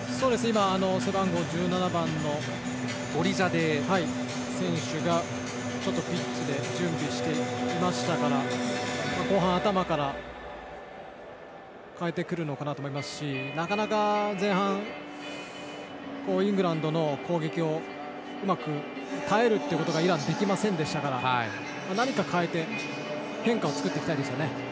背番号１７番のゴリザデー選手がピッチで準備していましたので後半頭から代えてくると思いますしなかなか前半イングランドの攻撃に耐えることがイランはできませんでしたから何か変えて変化をつけていきたいですね。